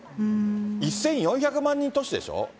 １４００万人都市でしょ。